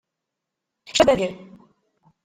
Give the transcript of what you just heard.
Kečč swaswa am baba-k.